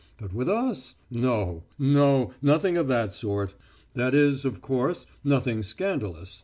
But with us, no no, nothing of that sort. That is, of course, nothing scandalous.